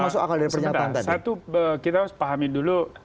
satu kita harus pahami dulu